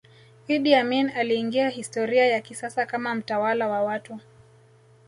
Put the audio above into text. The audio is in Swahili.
Idi Amin aliingia historia ya kisasa kama mtawala wa watu